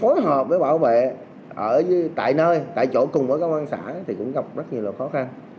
phối hợp với bảo vệ ở tại nơi tại chỗ cùng với công an xã thì cũng gặp rất nhiều khó khăn